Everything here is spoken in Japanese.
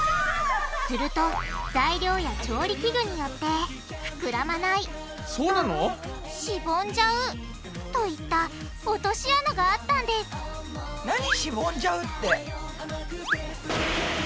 すると材料や調理器具によってふくらまないしぼんじゃうといった落とし穴があったんですなにしぼんじゃうって！